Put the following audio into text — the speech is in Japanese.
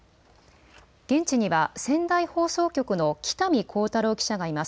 現地には仙台放送局の北見晃太郎記者がいます。